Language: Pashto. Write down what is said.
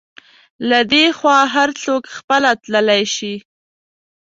له دې خوا هر څوک خپله تللی شي.